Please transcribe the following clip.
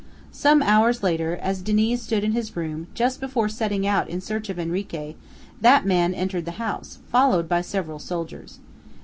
Some hours later, as Diniz stood in his room, just before setting out in search of Henrique, that man entered the house, followed by several soldiers.